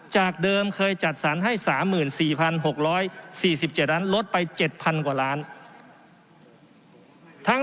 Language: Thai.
จากเดิมเคยจัดสรรให้๓๔๖๔๗ล้านลดไป๗๐๐กว่าล้าน